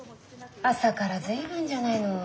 朝から随分じゃないの。